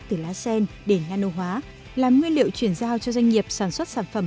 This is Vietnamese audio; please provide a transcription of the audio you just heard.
từ lá sen để nano hóa làm nguyên liệu chuyển giao cho doanh nghiệp sản xuất sản phẩm